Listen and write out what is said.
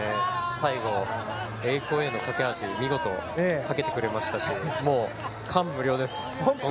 最後、栄光への架け橋を架けてくれましたしもう感無量です。